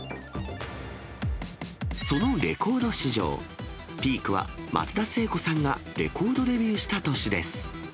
そのレコード市場、ピークは松田聖子さんがレコードデビューした年です。